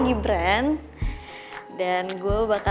dan gue mau ke rumah teman teman yang paling baik yaa